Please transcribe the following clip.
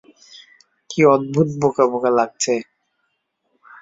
কী অদ্ভুত বোকা বোকা লাগছে।